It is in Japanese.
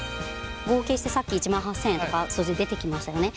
合計してさっき１万８，０００円とか数字出てきましたよね。